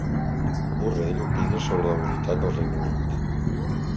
Borrell opina sobre la unitat del Regne Unit